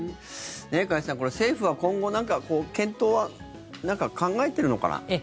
加谷さん、政府は今後検討は何か考えているのかな。